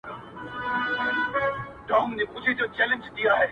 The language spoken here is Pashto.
بیا به له دغه ښاره د جهل رېښې و باسو,